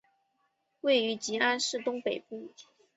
位于吉安市东北部。